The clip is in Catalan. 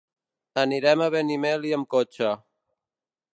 Anirem a Benimeli amb cotxe.